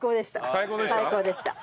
最高でした。